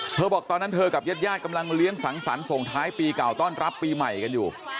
บอกตอนนั้นเธอกับญาติกำลังเลี้ยงสังสรรค์ส่งท้ายปีเก่าต้อนรับปีใหม่กันอยู่